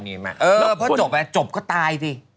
เออพอจบก็ตายสิ